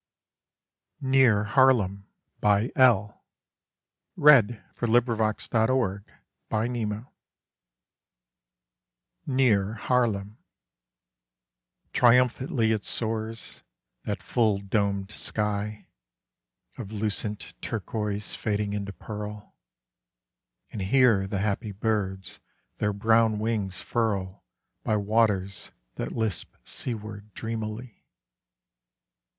r loss and waits to die: Like her I cry alone. XVII NEAR HAARLEM TRIUMPHANTLY it soars, that full domed sky, Of lucent turquoise fading into pearl; And here the happy birds their brown wings furl By waters that lisp seaward dreamily.